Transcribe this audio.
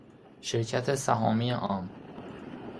شرکت سهامی عام